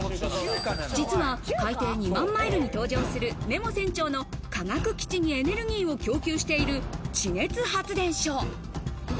実は『海底２万マイル』に登場するネモ船長の科学基地にエネルギーを供給している地熱発電所。